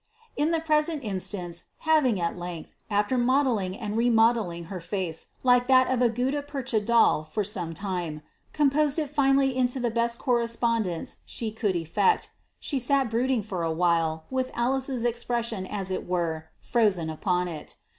In the present instance, having at length, after modelling and remodelling her face like that of a gutta percha doll for some time, composed it finally into the best correspondence she could effect, she sat brooding for a while, with Alice's expression as it were frozen upon it.